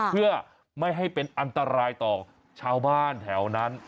เพื่อไม่ให้เป็นอันตรายต่อชาวบ้านแถวนั้น